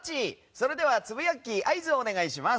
それではツブヤッキー合図をお願いします。